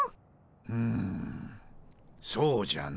うんそうじゃの。